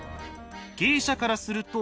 芸者からすると。